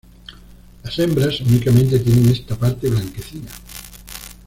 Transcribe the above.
Las hembras únicamente tienen esta parte blanquecina.